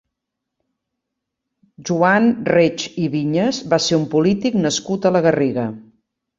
Joan Reig i Viñas va ser un polític nascut a la Garriga.